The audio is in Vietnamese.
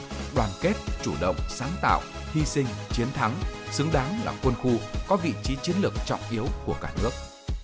đoàn kết chủ động sáng tạo hy sinh chiến thắng xứng đáng là quân khu có vị trí chiến lược trọng yếu của cả nước